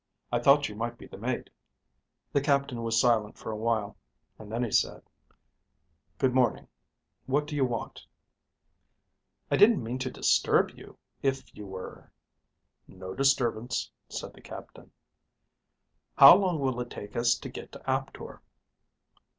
"I thought you might be the mate." The captain was silent for a while, and then said, "Good morning. What do you want?" "I didn't mean to disturb you if you were ..." "No disturbance," said the captain. "How long will it take us to get to Aptor?"